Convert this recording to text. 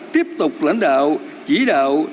tiếp tục lãnh đạo chỉ đạo